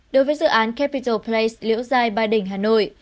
đối với dự án capital plays liễu giai ba đình hà nội